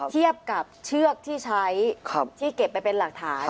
เทียบกับเชือกที่ใช้ที่เก็บไปเป็นหลักฐาน